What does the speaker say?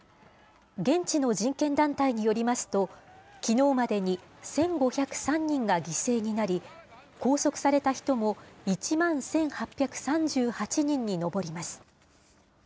現地の人権団体によりますと、きのうまでに１５０３人が犠牲になり、拘束された人も１万１８３８人に上ります。